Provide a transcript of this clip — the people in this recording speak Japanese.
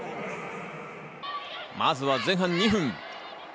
まずは前半２分。